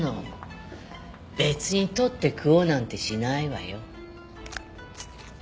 別に取って食おうなんてしないわよ。